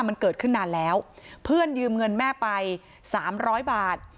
มันเกิดขึ้นนานแล้วเพื่อนยืมเงินแม่ไปสามร้อยบาท